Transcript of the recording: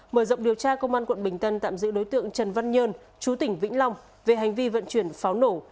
mở rộng điều tra công an quận bình tân tạm giữ đối tượng trần văn nhơn chú tỉnh vĩnh long về hành vi vận chuyển pháo nổ